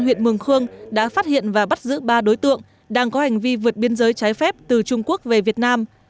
huyện mường khương đã phát hiện và bắt giữ ba đối tượng đang có hành vi vượt biên giới trái phép từ trung quốc về việt nam